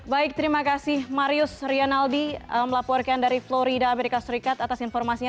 baik terima kasih marius rianaldi melaporkan dari florida amerika serikat atas informasinya